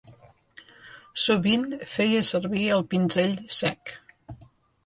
Sovint feia servir el pinzell sec.